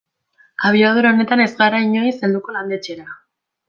Abiadura honetan ez gara inoiz helduko landetxera.